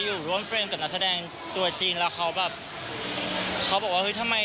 อยู่ร่วมเฟรมกับนักแสดงตัวจริงแล้วเขาแบบเขาบอกว่าเฮ้ยทำไม